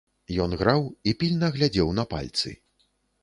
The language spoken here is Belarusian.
Ён граў і пільна глядзеў на пальцы.